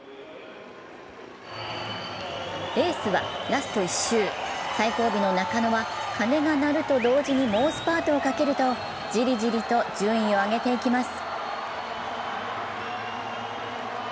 レースはラスト１周、最後尾の中野は鐘が鳴ると同時に猛スパートをかけると、じりじりと順位を上げていきます。